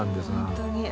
本当に。